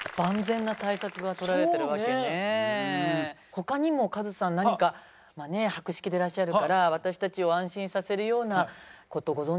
他にもカズさん何か博識でらっしゃるから私たちを安心させるような事ご存じだったりします？